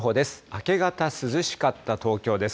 明け方涼しかった東京です。